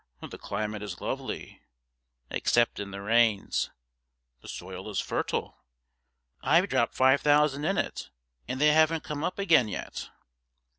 'The climate is lovely ' 'Except in the rains.' 'The soil is fertile ' 'I've dropped five thousand in it, and they haven't come up again yet.'